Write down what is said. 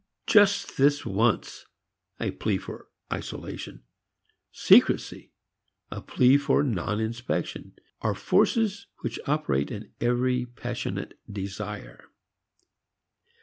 "Just this once," a plea for isolation; secrecy a plea for non inspection, are forces which operate in every passionate desire.